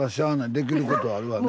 できることはあるわね。